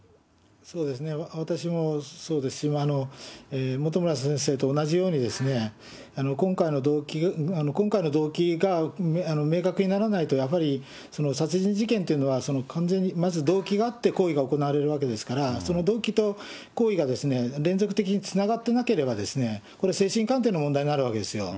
そうですね、私もそうですし、本村先生と同じように、今回の動機、今回の動機が明確にならないと、やはり殺人事件というのは、完全に、まず動機があって行為が行われるわけですから、その動機と行為が連続的につながってなければ、これ、精神鑑定の問題になるわけですよ。